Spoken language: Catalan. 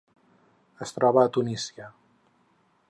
Es troba a Tunísia.